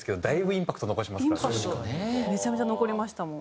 インパクトめちゃめちゃ残りましたもん。